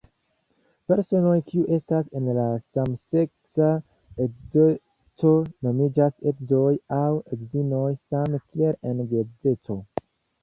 Personoj kiu estas en samseksa edzeco nomiĝas edzoj aŭ edzinoj, same kiel en geedzeco.